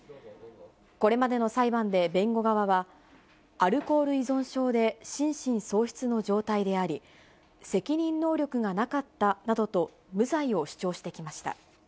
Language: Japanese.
これまでの裁判で弁護側は、アルコール依存症で心神喪失の状態であり、責任能力がなかったなどと、無罪を主張してきました。